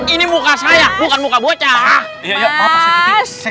ini muka saya bukan muka bocah